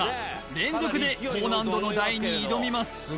連続で高難度の台に挑みます